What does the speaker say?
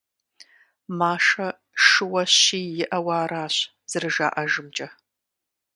Машэ шыуэ щий иӀауэ аращ, зэражаӀэжымкӀэ.